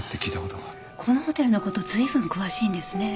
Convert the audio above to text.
このホテルの事随分詳しいんですね。